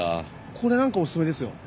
これなんかおすすめですよ。